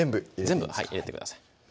全部入れてください